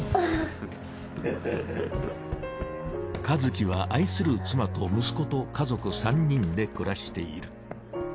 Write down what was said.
和喜は愛する妻と息子と家族３人で暮らしている。